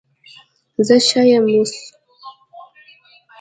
زه ښه یم اوس